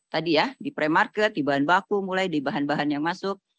tadi ya di premarket di bahan baku mulai di bahan bahan yang masuk